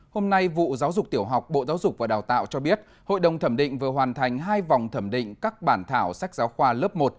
hôm nay vụ giáo dục tiểu học bộ giáo dục và đào tạo cho biết hội đồng thẩm định vừa hoàn thành hai vòng thẩm định các bản thảo sách giáo khoa lớp một